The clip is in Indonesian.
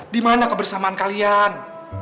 di mana kebersamaan kalian